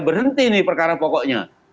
berhenti nih perkara pokoknya